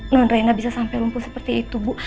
nen raina bisa sampai lumpuh seperti itu bu